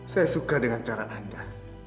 saya suka dengan cara anda